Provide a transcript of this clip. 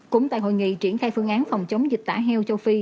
cũng tại hội nghị triển khai phương án phòng chống dịch tả heo châu phi